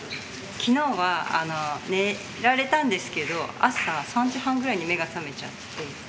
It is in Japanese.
きのうは寝られたんですけど、朝３時半ぐらいに目が覚めちゃって。